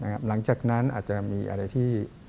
หลังจากนั้นอาจจะมีอะไรที่